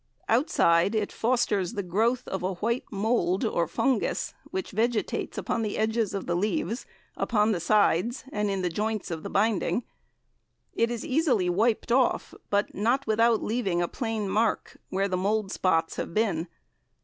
Outside it fosters the growth of a white mould or fungus which vegetates upon the edges of the leaves, upon the sides and in the joints of the binding. It is easily wiped off, but not without leaving a plain mark, where the mould spots have been.